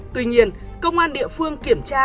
tuy nhiên công an địa phương kiểm tra